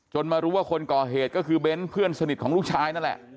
มารู้ว่าคนก่อเหตุก็คือเบ้นเพื่อนสนิทของลูกชายนั่นแหละ